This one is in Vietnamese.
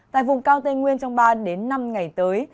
tại vùng cao tây nguyên trong ba năm ngày tới